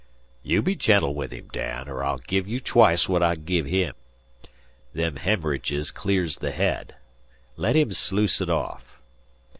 You be gentle with him, Dan, 'r I'll give you twice what I've give him. Them hemmeridges clears the head. Let him sluice it off!"